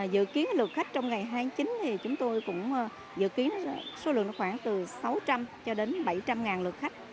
dự kiến lượt khách trong ngày hai mươi chín thì chúng tôi cũng dự kiến số lượng khoảng từ sáu trăm linh cho đến bảy trăm linh lượt khách